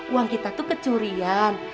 uang kita tuh kecurian